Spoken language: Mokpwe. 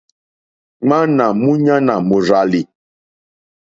Ŋmánà múɲánà mòrzàlì.